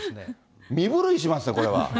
身震いしますね、これは。